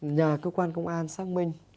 nhà cơ quan công an xác minh